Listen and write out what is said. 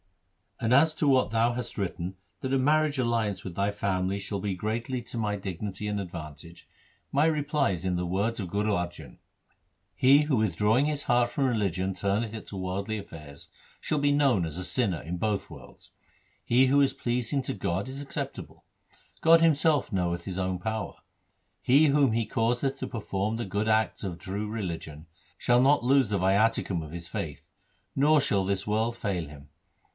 2 ' And as to what thou hast written that a marriage alliance with thy family shall be greatly to my 1 Gauri ki War I. 2 Bilawal. io THE SIKH RELIGION dignity and advantage, my reply is in the words of Gum Arjan — He who withdrawing his heart from religion turneth it to worldly affairs, Shall be known as a sinner in both worlds. He who is pleasing to God is acceptable. God Himself knoweth His own power. He whom He causeth to perform the good acts of true religion, Shall not lose the viaticum of his faith, nor shall this world fail him.